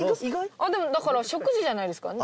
でもだから食事じゃないですか？